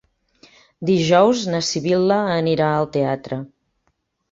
Dijous na Sibil·la anirà al teatre.